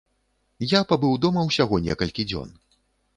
Я пабыў дома ўсяго некалькі дзён.